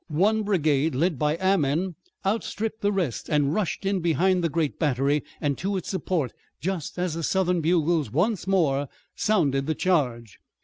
One brigade led by Ammen outstripped the rest, and rushed in behind the great battery and to its support, just as the Southern bugles once more sounded the charge.